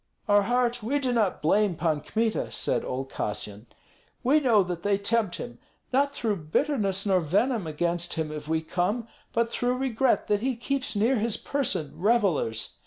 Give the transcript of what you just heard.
"Our heart, we do not blame Pan Kmita," said old Kassyan. "We know that they tempt him. Not through bitterness nor venom against him have we come, but through regret that he keeps near his person revellers.